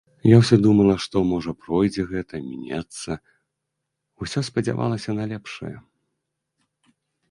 Я ўсё думала, што, можа, пройдзе гэта, мінецца, усё спадзявалася на лепшае.